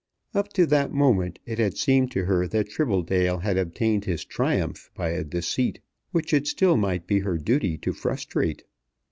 Up to that moment it had seemed to her that Tribbledale had obtained his triumph by a deceit which it still might be her duty to frustrate.